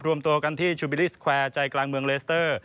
รวมตัวกันที่ชูบิลิสแควร์ใจกลางเมืองเลสเตอร์